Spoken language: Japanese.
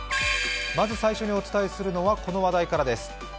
まず最初にお伝えするのはこの話題からです。